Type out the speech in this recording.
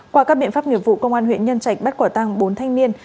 qua các biện pháp nghiệp vụ công an huyện nhân trạch bắt quả tăng bốn thanh niên